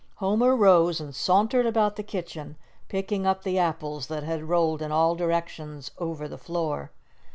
Homer rose and sauntered about the kitchen, picking up the apples that had rolled in all directions over the floor.